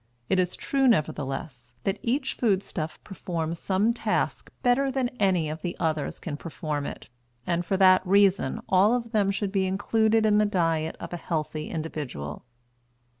It is true, nevertheless, that each food stuff performs some task better than any of the others can perform it, and for that reason all of them should be included in the diet of an healthy individual.